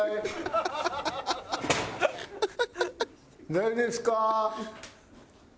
誰ですか？